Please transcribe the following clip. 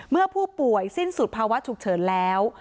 เมื่อผู้ป่วยสิ้นสุดภาวะฉุกเฉินแล้ว